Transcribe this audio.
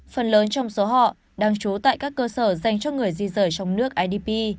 phần lớn trong số họ đang trú tại các cơ sở dành cho người di rời trong nước idp